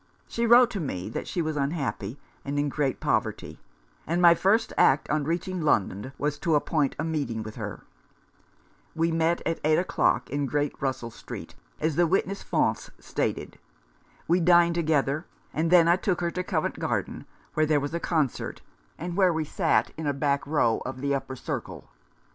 She wrote to me that she was unhappy and in great poverty ; and my first act on reaching London was to appoint a meeting with her. We met at 8 o'clock in Great Russell Street, as the witness Faunce stated. We dined together, and then I took her to Covent Garden, where there was a concert, and where we sat in a back row of the upper circle.